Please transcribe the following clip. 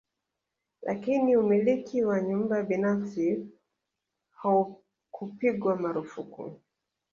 Lakini umiliki wa nyumba binafsi haukupigwa marufuku